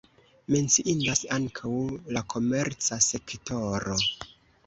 Menciindas ankaŭ la komerca sektoro.